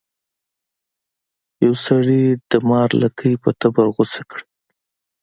یو سړي د مار لکۍ په تبر غوڅه کړه.